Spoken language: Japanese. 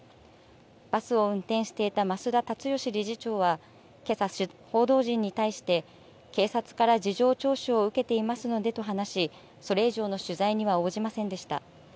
バスを運転していた増田立義理事長はけさ報道陣に対して、警察から事情聴取を受けていますのでと話し、それ以上の取材には応じませんでした。